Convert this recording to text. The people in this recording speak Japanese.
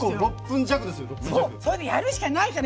それで、やるしかないから。